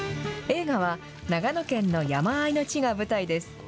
映画は、長野県の山あいの地が舞台です。